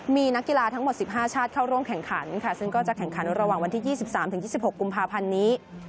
มีนักกีฬาทั้งหมด๑๕ชาติเข้าร่วมแข่งขันค่ะซึ่งก็จะแข่งขันระหว่างวันที่๒๓๒๖กุมภาพันธ์นี้